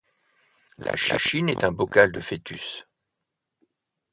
La Chine est un bocal de fœtus.